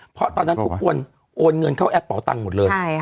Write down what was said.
เพราะตอนนั้นทุกคนโอนเงินเข้าแอปเป่าตังค์หมดเลย